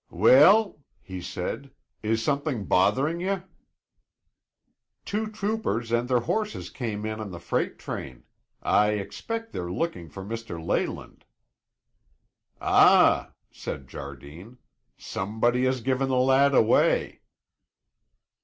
"Weel?" he said. "Is something bothering ye?" "Two troopers and their horses came in on the freight train. I expect they're looking for Mr. Leyland." "Ah," said Jardine. "Somebody has given the lad away."